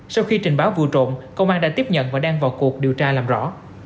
sau khi trình báo vụ trộm công an đã tiếp nhận và đang vào cuộc điều tra làm rõ